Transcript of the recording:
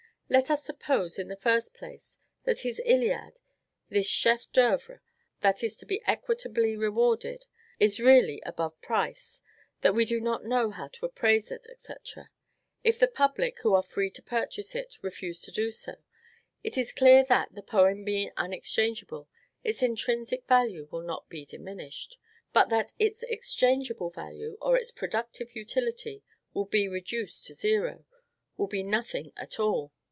Let us suppose, in the first place, that this "Iliad" this chef d' oeuvre that is to be equitably rewarded is really above price, that we do not know how to appraise it. If the public, who are free to purchase it, refuse to do so, it is clear that, the poem being unexchangeable, its intrinsic value will not be diminished; but that its exchangeable value, or its productive utility, will be reduced to zero, will be nothing at all.